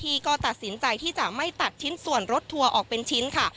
ที่ก็ตัดสินใจที่จะไม่ตัดชิ้นส่วนรถทัวร์ออกเป็นชิ้นค่ะ